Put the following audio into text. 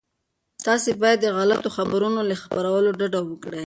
تاسي باید د غلطو خبرونو له خپرولو ډډه وکړئ.